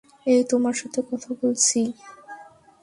এই, তোমার সাথে কথা বলছি।